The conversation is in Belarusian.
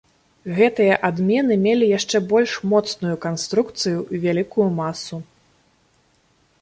Гэтыя адмены мелі яшчэ больш моцную канструкцыю і вялікую масу.